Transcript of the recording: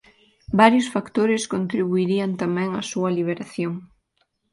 Varios factores contribuirían tamén á súa liberación.